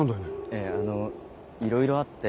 ええあのいろいろあって。